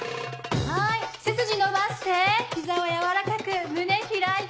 はい背筋伸ばして膝は柔らかく胸開いて！